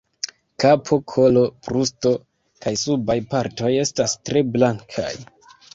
Kapo, kolo, brusto kaj subaj partoj estas tre blankaj.